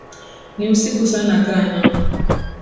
Ni usiku sana kaa nami